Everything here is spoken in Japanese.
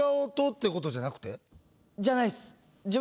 じゃないです。